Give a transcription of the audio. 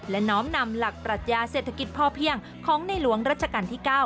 และน้อมนำหลักปรัชญาเศรษฐกิจพ่อเพียงของในหลวงรัชกาลที่๙